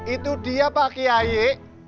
itu dia pak kiai